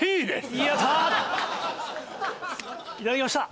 いただきました！